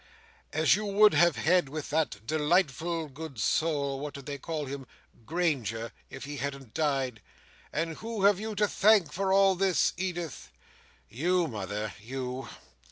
"As you would have had with that delightful good soul—what did they call him?—Granger—if he hadn't died. And who have you to thank for all this, Edith?" "You, mother; you."